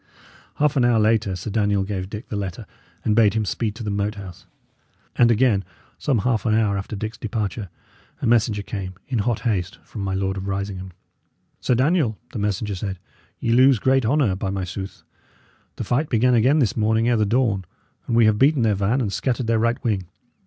Half an hour later, Sir Daniel gave Dick the letter, and bade him speed to the Moat House. And, again, some half an hour after Dick's departure, a messenger came, in hot haste, from my Lord of Risingham. "Sir Daniel," the messenger said, "ye lose great honour, by my sooth! The fight began again this morning ere the dawn, and we have beaten their van and scattered their right wing.